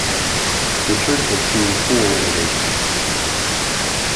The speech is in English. The church has seen four renovations.